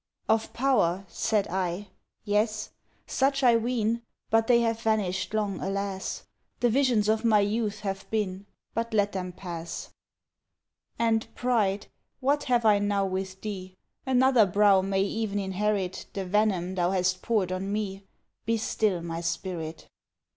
Of power! said I? yes! such I ween; But they have vanish'd long, alas! The visions of my youth have been But let them pass. And, pride, what have I now with thee? Another brow may even inherit The venom thou hast pour'd on me Be still, my spirit!